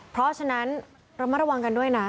เพราะฉะนั้นระมัดระวังกันด้วยนะ